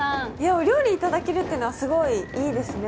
お料理いただけるっていうのは、すごいいいですね。